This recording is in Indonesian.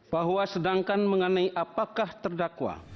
bahwa sedangkan mengenai apakah terdakwa